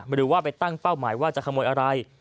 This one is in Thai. หรือว่าไปตั้งเป้าหมายว่าจะขโมยอะไร